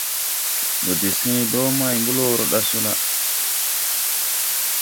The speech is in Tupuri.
Ndɔ de sẽẽ dɔɔ may blɔɔrɔ mo ɗa sɔ la.